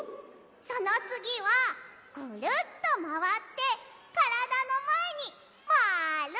そのつぎはぐるっとまわってからだのまえにまる！